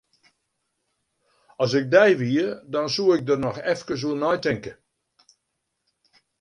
As ik dy wie, dan soe ik der noch efkes oer neitinke.